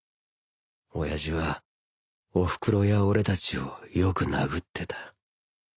親父はおふくろや俺たちをよく殴ってた